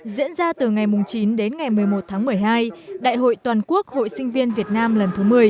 diễn ra từ ngày chín đến ngày một mươi một tháng một mươi hai đại hội toàn quốc hội sinh viên việt nam lần thứ một mươi